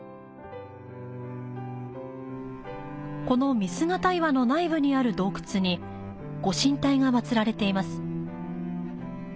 この御姿岩の内部にある洞窟に御神体が祀られています。